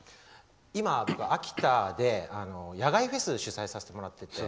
今僕、秋田で野外フェスを主催させてもらって。